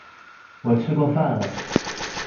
我吃过饭了